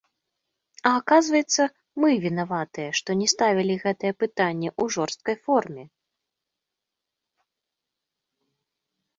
А аказваецца, мы вінаватыя, што не ставілі гэтае пытанне ў жорсткай форме!